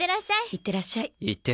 いってらっしゃい。